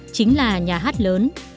chính là nhà hát lớn